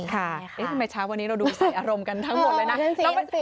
ทำไมเช้าวันนี้เราดูใส่อารมณ์กันทั้งหมดเลยนะ